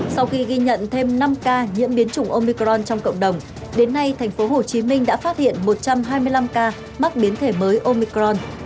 sau khi ghi nhận thêm năm ca nhiễm biến chủng omicron trong cộng đồng đến nay thành phố hồ chí minh đã phát hiện một trăm hai mươi năm ca mắc biến thể mới omicron